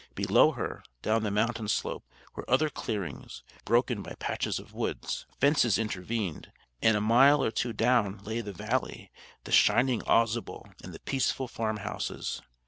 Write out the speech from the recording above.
Below her, down the mountain slope, were other clearings, broken by patches of woods. Fences intervened; and a mile or two down lay the valley, the shining Ausable, and the peaceful farmhouses.